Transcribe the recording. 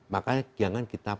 makanya jangan kita